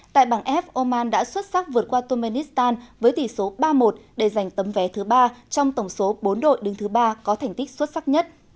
tại bảng f oman đã xuất sắc vượt qua turkmenistan với tỷ số ba một để giành tấm vé thứ ba trong tổng số bốn đội đứng thứ ba có thành tích xuất sắc nhất